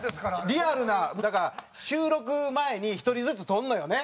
リアルなだから収録前に１人ずつ撮るのよね。